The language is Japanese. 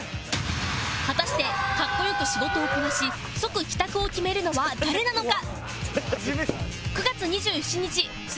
果たして格好良く仕事をこなし即帰宅を決めるのは誰なのか？